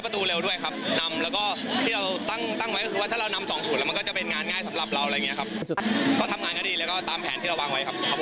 เป็นงานง่ายสำหรับเราอะไรอย่างเงี้ยครับก็ทำงานก็ดีแล้วก็ตามแผนที่เราวางไว้ครับครับ